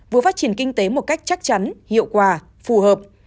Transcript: vừa phát triển kinh tế một cách chắc chắn hiệu quả phù hợp